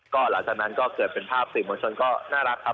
ก็หลังจากนั้นก็เกิดเป็นภาพสื่อมวลชนก็น่ารักครับ